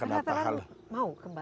kenapa hal mau kembali